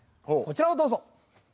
こちらをどうぞ！